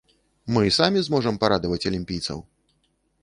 Мы і самі зможам парадаваць алімпійцаў!